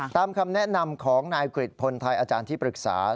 คำแนะนำของนายกริจพลไทยอาจารย์ที่ปรึกษา